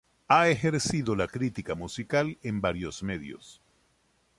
Ha ejercido la crítica musical en varios medios.